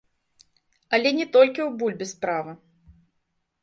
Але не толькі ў бульбе справа.